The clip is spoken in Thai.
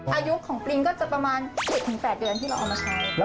อายุของปริงก็จะประมาณ๗๘เดือนที่เราเอามาใช้